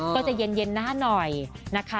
ก็จะเย็นหน้าหน่อยนะคะ